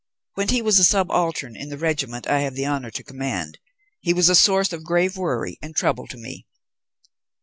When he was a subaltern in the regiment I have the honour to command, he was a source of grave worry and trouble to me.